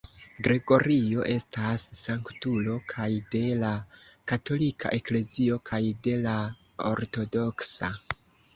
Gregorio estas sanktulo kaj de la katolika eklezio kaj de la ortodoksa.